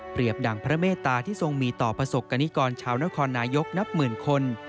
ดั่งพระเมตตาที่ทรงมีต่อประสบกรณิกรชาวนครนายกนับหมื่นคน